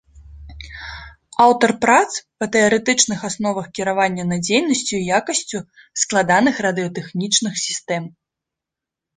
Аўтар прац па тэарэтычных асновах кіравання надзейнасцю і якасцю складаных радыётэхнічных сістэм.